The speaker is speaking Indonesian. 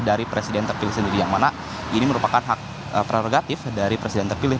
dari presiden terpilih sendiri yang mana ini merupakan hak prerogatif dari presiden terpilih